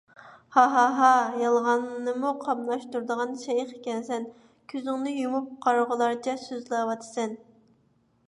ھا! ھا! ھا! يالغاننىمۇ قاملاشتۇرىدىغان شەيخ ئىكەنسەن! كۆزۈڭنى يۇمۇپ قارىغۇلارچە سۆزلەۋاتىسەن.